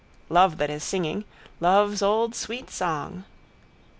Love that is singing: love's old sweet song.